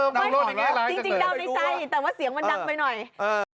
จริงดาวน์ในใจแต่ว่าเสียงมันดังไปหน่อย